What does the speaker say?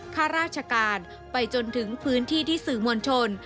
ข้าราชการไปจนถึงพื้นที่ที่สื่อมวลชน